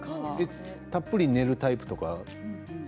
たっぷり寝るタイプとかは？